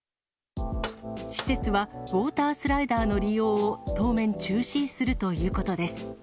施設はウォータースライダーの利用を当面中止するということです。